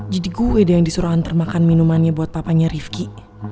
jadi gue deh yang disuruh antar makan minumannya buat papanya rifki